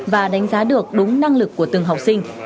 và đánh giá được đúng năng lực của từng học sinh